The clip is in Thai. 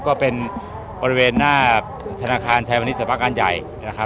ก็เป็นบริเวณหน้าธนาคารชายมณิชภาการใหญ่นะครับ